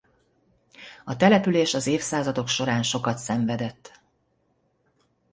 A település az évszázadok során sokat szenvedett.